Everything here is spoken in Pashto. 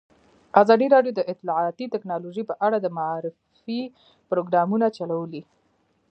ازادي راډیو د اطلاعاتی تکنالوژي په اړه د معارفې پروګرامونه چلولي.